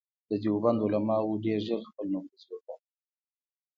د دیوبند علماوو ډېر ژر خپل نفوذ وکړ.